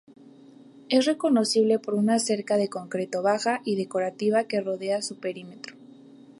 Es reconocible por una cerca de concreto baja y decorativa que rodea su perímetro.